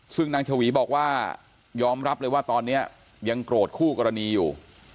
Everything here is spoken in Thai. ซึ่งนางชวีบอกว่ายอมรับเลยว่าตอนนี้ยังโกรธคู่กรณีอยู่